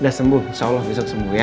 sudah sembuh insya allah besok sembuh ya